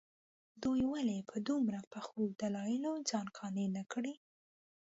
دوی ولې په دومره پخو دلایلو ځان قانع نه کړي.